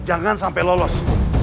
jangan sampai lolos